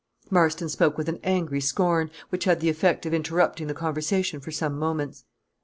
Marston spoke with an angry scorn, which had the effect of interrupting the conversation for some moments.